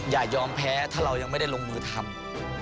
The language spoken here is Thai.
อย่ายอมแพ้ถ้าเรายังไม่ได้ลงมือทำ